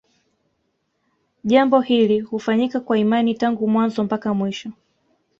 Jambo hili hufanyika kwa imani tangu mwanzo mpaka mwisho